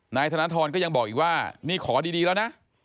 นายธนทรก็ยังบอกอีกว่านี่ขอดีแล้วนะ